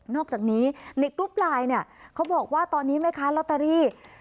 อกจากนี้ในกรุ๊ปไลน์เนี่ยเขาบอกว่าตอนนี้แม่ค้าลอตเตอรี่